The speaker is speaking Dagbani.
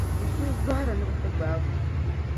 N suhu zɔhir’ ni bɛ ti gbaag o.